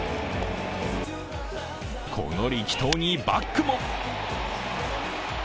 この力投にバックも。